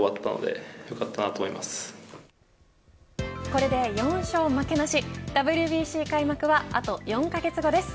これで４勝負けなしＷＢＣ開幕はあと４カ月後です。